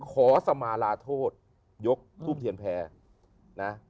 ขอสมาลาโทษยกทูบเทียนแพ้นะ